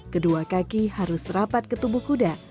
kedua kaki harus rapat ke tubuh kuda